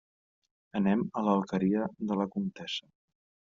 Anem a l'Alqueria de la Comtessa.